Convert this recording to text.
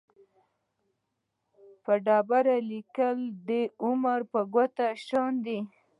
په ډبرلیک کې دده عمر په ګوته شوی دی.